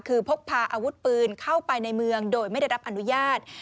คือพกพาอาวุธปืนเข้าไปในเมืองโดยไม่ได้รับอนุญาต